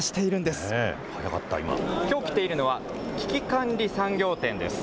きょう来ているのは、危機管理産業展です。